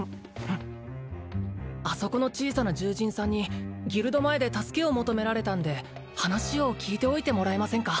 あそこの小さな獣人さんにギルド前で助けを求められたんで話を聞いておいてもらえませんか？